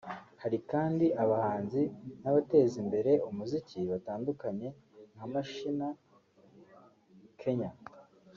Hari kandi abahanzi n’abateza imbere umuziki batandukanye nka Machina (Kenya)